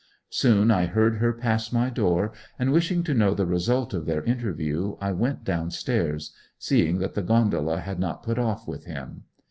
Soon I heard her pass my door, and wishing to know the result of their interview I went downstairs, seeing that the gondola had not put off with him.